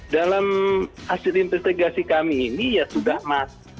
dalam hasil investigasi kami ini ya sudah mas